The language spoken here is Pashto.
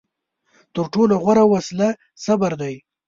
تر ټولو غوره وسله صبر دی.